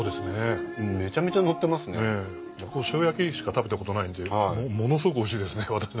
塩焼きしか食べたことないんでものすごくおいしいですね。